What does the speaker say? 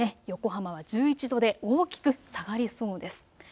横浜は１１度で大きく下がりそうです。